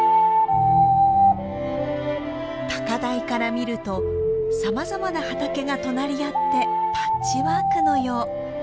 高台から見るとさまざまな畑が隣り合ってパッチワークのよう。